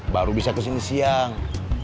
baru bisa kesini siang